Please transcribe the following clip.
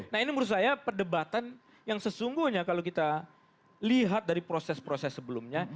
nah ini menurut saya perdebatan yang sesungguhnya kalau kita lihat dari proses proses sebelumnya